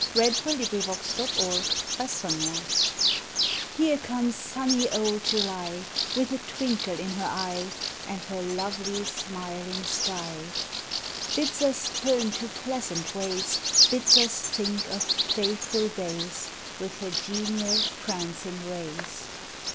June Thirtieth JULY SHOWERS TJERE comes sunny old July With a twinkle in her eye And her lovely smiling sky. Bids us turn to pleasant ways; Bids us think of playful days With her genial prancing rays.